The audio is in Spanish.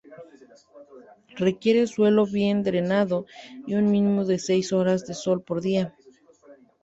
Requiere suelo bien drenado y un mínimo de seis horas de sol por día.